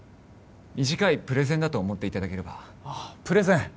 短いプレゼンだと思っていただければあっプレゼン